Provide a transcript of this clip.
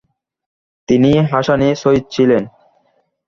তিনি হাসানী সৈয়দ ছিলেন।